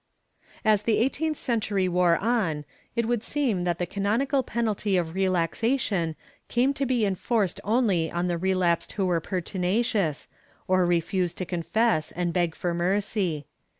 As the eighteenth century wore on, it would seem that the canonical penalty of relaxation came to be enforced only on the relapsed who were pertinacious, or refused to confess and beg for mercy.